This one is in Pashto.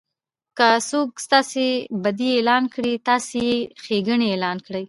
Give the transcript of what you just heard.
که څوک ستاسي بدي اعلان کړي؛ تاسي ئې ښېګړني اعلان کړئ!